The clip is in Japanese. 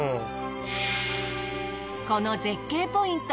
この絶景ポイント。